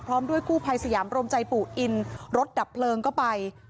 ด้วยกู้ภัยสยามรมใจปู่อินรถดับเพลิงก็ไป